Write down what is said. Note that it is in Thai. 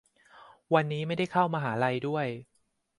วันนี้ไม่ได้เข้ามหาลัยด้วย